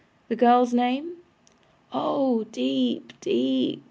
'The girl's name?' 'Oh deep, deep!